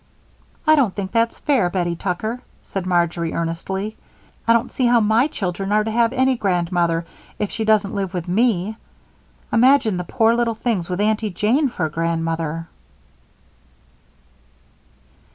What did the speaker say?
"I don't think that's fair, Bettie Tucker," said Marjory, earnestly. "I don't see how my children are to have any grandmother if she doesn't live with me. Imagine the poor little things with Aunty Jane for a grandmother!"